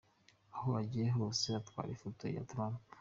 Aho agiye hose atwara ifoto ya Trump.